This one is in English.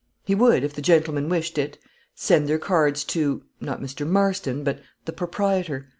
He would, if the gentlemen wished it, send their cards to (not Mr. Marston, but) the proprietor.